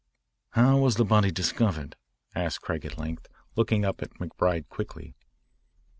"How was the body discovered?" asked Craig at length, looking up at McBride quickly.